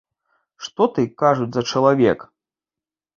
Што ты, кажуць, за чалавек!